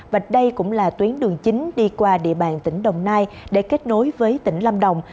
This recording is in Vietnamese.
và đây cũng là tuyến đường chính đi qua địa bàn tỉnh đồng nai để kết nối với tỉnh lâm đồng